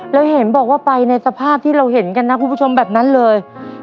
แล้วเห็นบอกว่าไปในสภาพที่เราเห็นกันนะคุณผู้ชมแบบนั้นเลย